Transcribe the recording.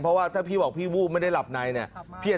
เพราะว่าถ้าพี่บอกพี่วูบไม่ได้หลับในเนี่ย